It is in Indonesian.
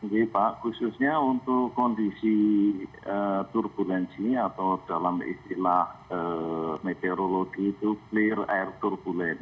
jadi pak khususnya untuk kondisi turbulensi atau dalam istilah meteorologi itu clear air turbulent